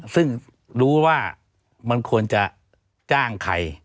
ซึ่งรู้ว่ามันควรจะจ้างใคร